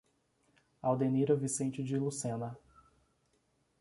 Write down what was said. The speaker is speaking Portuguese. Audenira Vicente de Lucena